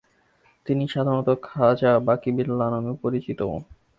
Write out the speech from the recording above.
তিনি সাধারণত খাজা বাকি বিল্লাহ নামে পরিচিত।